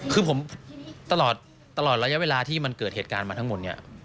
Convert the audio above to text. คือผมตลอดระยะเวลาที่มันเกิดเหตุการณ์มาทั้งหมดเนี่ย